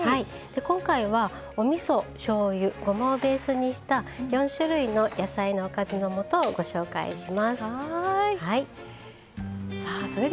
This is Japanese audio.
今回はおみそしょうゆごまをベースにした４種類の野菜のおかずのもとをご紹介します。